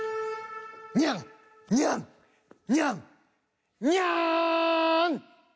にゃんにゃんにゃんにゃん！